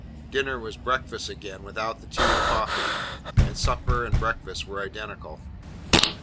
Dinner was breakfast again, without the tea and coffee; and supper and breakfast were identical.